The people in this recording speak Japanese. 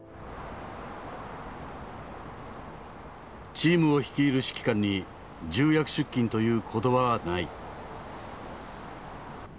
チームを率いる指揮官に重役出勤という言葉はない。